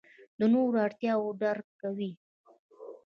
د نورو اړتیاوې درک کوو.